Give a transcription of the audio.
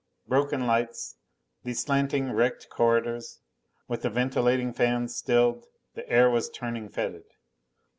Broken lights. These slanting wrecked corridors. With the ventilating fans stilled, the air was turning fetid.